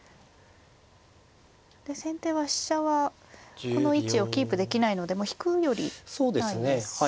先手は飛車はこの位置をキープできないのでもう引くよりないですし。